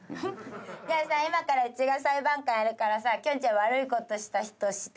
じゃあさ今からうちが裁判官やるからさきょんちぃは悪いことした人して。